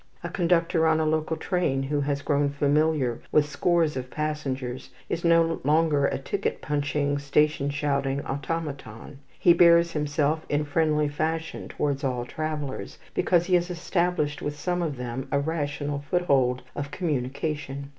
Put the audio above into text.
A conductor on a local train who has grown familiar with scores of passengers is no longer a ticket punching, station shouting automaton. He bears himself in friendly fashion towards all travellers, because he has established with some of them a rational foothold of communication.